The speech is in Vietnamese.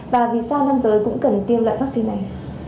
và vì sao năm giới cũng cần tiêm lại vaccine này